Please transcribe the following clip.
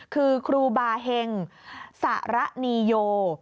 คือครูบาเฮงสระนีโย